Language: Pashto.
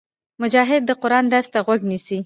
مجاهد د قرآن درس ته غوږ نیسي.